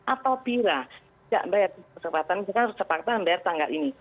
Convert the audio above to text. apabila tidak membayar kesepakatan jika kesepakatan membayar tanggal ini